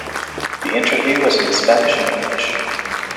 The interview was in Spanish and English.